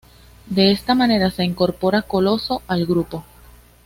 De esta manera se incorpora Coloso al grupo.